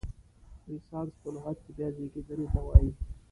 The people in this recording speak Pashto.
رنسانس په لغت کې بیا زیږیدنې ته وایي.